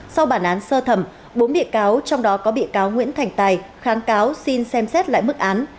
sau bản án sơ thẩm bốn bị cáo trong đó có bị cáo nguyễn thành tài kháng cáo xin xem xét lại mức án